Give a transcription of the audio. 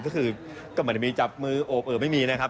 ก็เหมือนจะมีจับมือโอบเอ่อไม่มีนะครับ